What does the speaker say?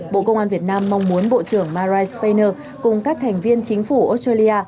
bộ công an việt nam mong muốn bộ trưởng mariah spanier cùng các thành viên chính phủ australia